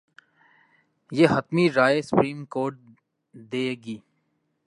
پر حتمی رائے supreme court دے گی۔